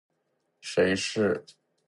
谁是我们的敌人？谁是我们的朋友？